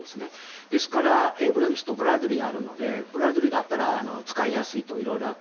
ですから、エイブラムスとブラッドリーもあるのでブラッドリーだったら使いやすいと、色々あって。